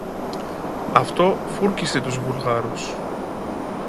Αυτό φούρκισε τους Βουλγάρους